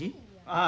ああ